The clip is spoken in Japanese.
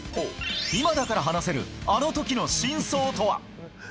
今だから話せるあのときの真相とは。